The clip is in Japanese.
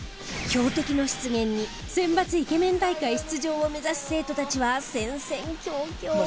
強敵の出現に選抜イケメン大会出場を目指す生徒たちは戦々恐々。